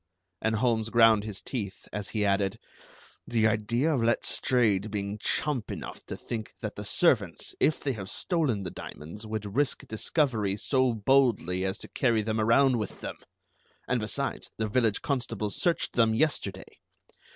And Holmes ground his teeth as he added: "The idea of Letstrayed being chump enough to think that the servants, if they have stolen the diamonds, would risk discovery so boldly as to carry them around with them! and besides, the village constables searched them yesterday.